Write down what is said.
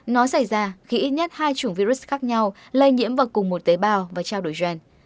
nó xảy ra khi ít nhất hai chủng virus khác nhau lây nhiễm vào cùng một tế bào và trao đổi gen